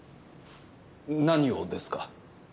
何をですか？